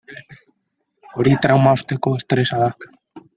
Hori trauma osteko estresa da.